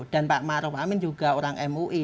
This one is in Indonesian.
dan pak ma'ruf amin juga orang mui